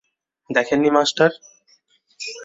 দেখেননি, মাস্টার?